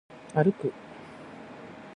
歩く